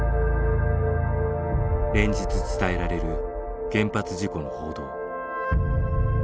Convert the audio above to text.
連日伝えられる原発事故の報道。